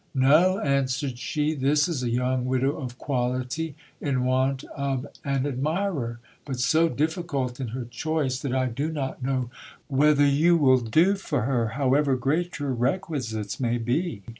No, answered she, this is a young widow of quality, in want of an admirer ; but so difficult in her choice, that I do not know whether you will do for her, however great your requisites may be.